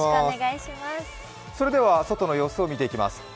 それでは外の様子を見ていきます。